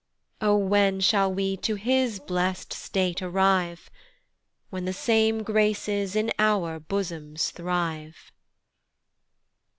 "O when shall we to his blest state arrive? "When the same graces in our bosoms thrive."